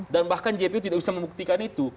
dan bahkan jpu tidak bisa membuktikan itu